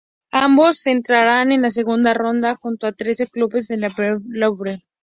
Ambos entrarán en la segunda ronda, junto a trece clubes de la Premier League.